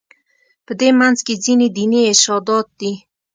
په دې منځ کې ځینې دیني ارشادات دي.